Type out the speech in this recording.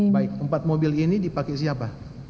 baik empat mobil ini dipakai siapa